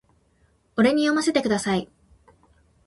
俺に読ませてください